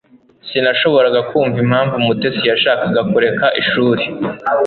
Sinashoboraga kumva impamvu Mutesi yashakaga kureka ishuri